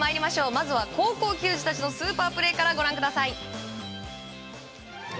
まずは高校球児たちのスーパープレーからご覧ください。